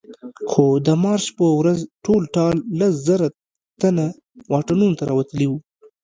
خو د مارش په ورځ ټول ټال لس زره تنه واټونو ته راوتلي وو.